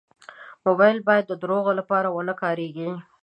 موبایل باید د دروغو لپاره و نه کارېږي.